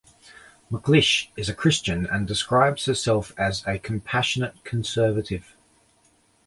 McLish is a Christian and describes herself as a compassionate conservative.